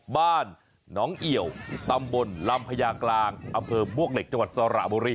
บ้านหนองเอี่ยวตำบลลำพญากลางอำเภอมวกเหล็กจังหวัดสระบุรี